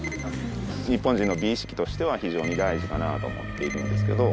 日本人の美意識としては非常に大事かなと思っているんですけど。